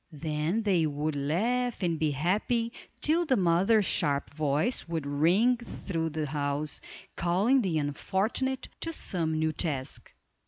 Then they would laugh and be happy, till the mother's sharp voice would ring through the house, calling the unfortunate to some new task.